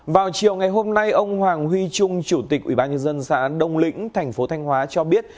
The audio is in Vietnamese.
vào chiều ngày hôm nay ông hoàng huy trung chủ tịch ubnd xã đông lĩnh thành phố thanh hóa cho biết